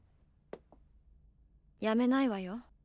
⁉やめないわよ。